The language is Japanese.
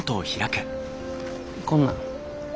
こんなん。